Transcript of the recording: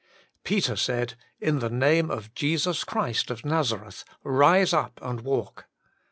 Peter said, In the name of Jesus Christ of Nazareth, rise up and walk